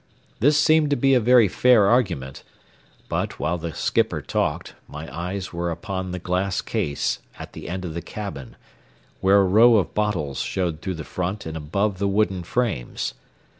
This seemed to be a very fair argument, but, while the skipper talked, my eyes were upon the glass case at the end of the cabin, where a row of bottles showed through the front and above the wooden frames.